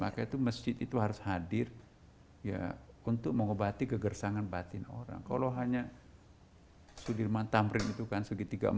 maka itu masjid itu harus hadir ya untuk mengobati kegersangan batin orang kalau hanya sudirman tamrin itu kan segitiga empat